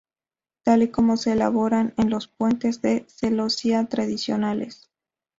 Tal y como se elabora en los puentes de celosía tradicionales.